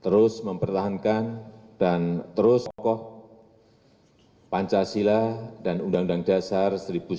terus mempertahankan dan terus kokoh pancasila dan undang undang dasar seribu sembilan ratus empat puluh